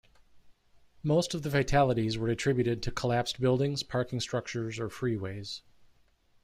Most of the fatalities were attributed to collapsed buildings, parking structures, or freeways.